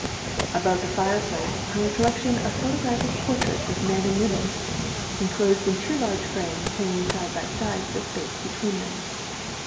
Above the fireplace hung a collection of photographic portraits of men and women, inclosed in two large frames hanging side by side with a space between them.